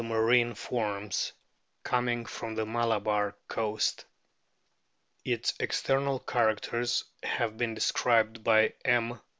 I 7 Q w s o" DOLPHINS 269 from the Malabar coast. Its external characters have been described by M.